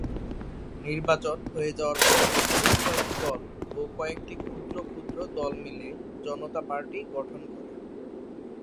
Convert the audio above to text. নির্বাচন হয়ে যাওয়ার পর এই কয়টি দল ও কয়েকটি ক্ষুদ্র ক্ষুদ্র দল মিলে জনতা পার্টি গঠন করে।